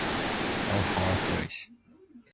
A horrified Live returns home but says nothing.